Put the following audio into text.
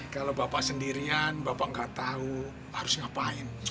kalau bapak sendirian bapak gak tau harus ngapain